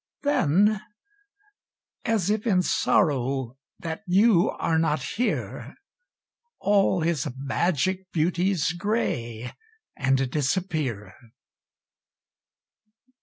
Then, as if in sorrow That you are not here, All his magic beauties Gray and disappear.